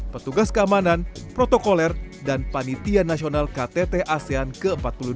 petugas keamanan protokoler dan panitia nasional ktt asean ke empat puluh dua